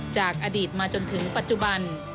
จากอดีตมาจนถึงปัจจุบัน